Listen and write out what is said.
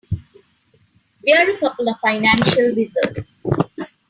We're a couple of financial wizards.